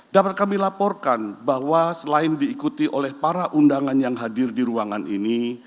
dapat kami laporkan bahwa selain diikuti oleh para undangan yang hadir di ruangan ini